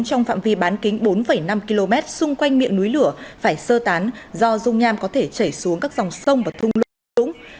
trong phạm vi bán kính bốn năm km xung quanh miệng núi lửa phải sơ tán do rung nham có thể chảy xuống các dòng sông và thung lũng